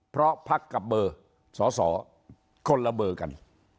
เพราะพักกับเบอร์สอสอคนละเบอร์กัน